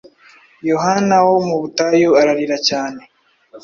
Yohana wo mu butayu ararira cyane;